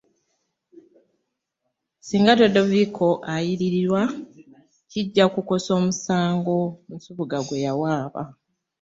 Singa Dodoviiko aliyirirwa kijja kukosa omusango Nsubuga gwe yawaaba